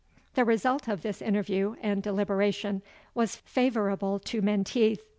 The result of this interview and deliberation was favourable to Menteith.